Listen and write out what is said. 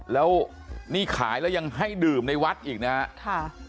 แล้วนี่ขายแล้วยังให้ดื่มในวัดอีกนะครับ